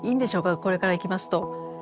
これからいきますと。